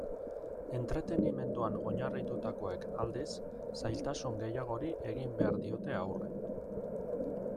Entretenimenduan oinarritutakoek, aldiz, zailtasun gehiagori egin behar diote aurre.